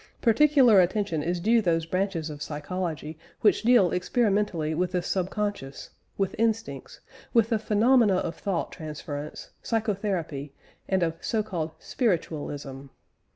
Particular attention is due to those branches of psychology which deal experimentally with the subconscious, with instincts, with the phenomena of thought transference, psychotherapy, and of so called "spiritualism."